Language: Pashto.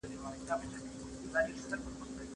درد به په پای کې ماته ورکړي.